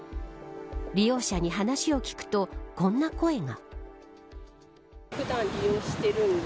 利用者に話を聞くとこんな声が。